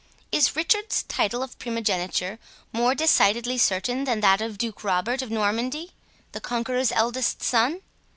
"Is Richard's title of primogeniture more decidedly certain than that of Duke Robert of Normandy, the Conqueror's eldest son?